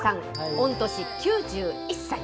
御年９１歳。